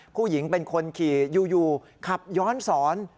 ผู้หญิงเป็นคนขี่อยู่ขับย้อนสอน